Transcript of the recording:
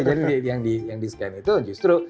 jadi yang di scan itu justru